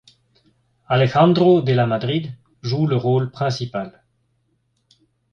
Alejandro de la Madrid joue le rôle principal.